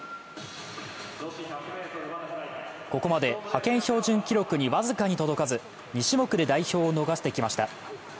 ここまで派遣標準記録に僅かに届かず２種目で代表を逃してきました。